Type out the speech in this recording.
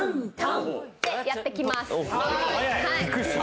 てやってきます。